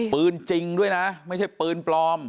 ปืนจริงด้วยนะไม่ใช่ปืนปลอม